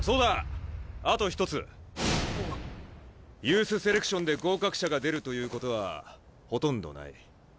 ユースセレクションで合格者が出るということはほとんどない。